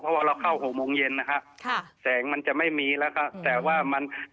เพราะว่าเราเข้าหกโมงเย็นนะฮะค่ะแสงมันจะไม่มีแล้วก็แต่ว่ามัน